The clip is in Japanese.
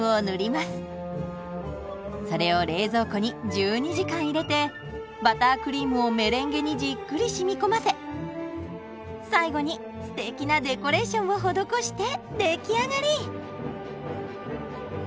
それを冷蔵庫に１２時間入れてバタークリームをメレンゲにじっくりしみこませ最後にすてきなデコレーションを施して出来上がり。